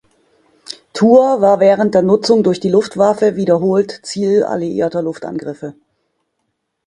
Tours war während der Nutzung durch die Luftwaffe wiederholt Ziel alliierter Luftangriffe.